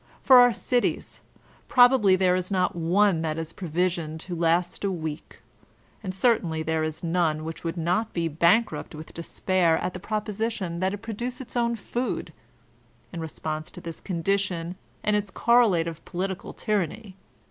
For our cities, probably there is not one that is provisioned to last a week, and certainly there is none which would not be bankrupt with despair at the proposition that it produce its own food« In response to this condition and its correlative political tyranny.